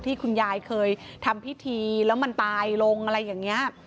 ที่คุณยายเคยทำพิธีแล้วมันตายลงอะไรอย่างนี้